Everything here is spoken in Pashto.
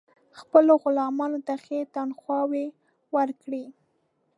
خپلو غلامانو ته ښې تنخواوې ورکړي.